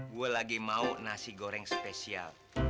gue lagi mau nasi goreng spesial